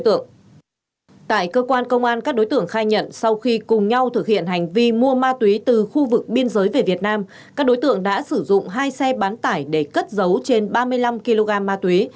tại cơ quan công an các đối tượng khai nhận sau khi cùng nhau thực hiện hành vi mua ma túy từ khu vực biên giới về việt nam các đối tượng đã sử dụng hai xe bán tải để cất dấu trên ba mươi năm kg ma túy